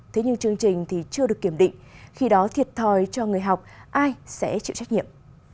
thế nhưng chương trình thì chưa được kiểm định khi đó thiệt thòi cho người học ai sẽ chịu trách nhiệm